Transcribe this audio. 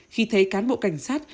khi thấy cán bộ cảnh sát